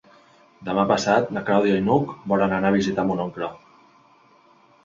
Demà passat na Clàudia i n'Hug volen anar a visitar mon oncle.